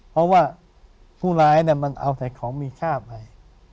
เพราะว่าผู้ร้ายมันเอาแต่ของมีค่าไป